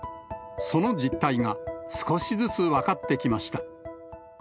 その実態が、少しずつ分かってきました。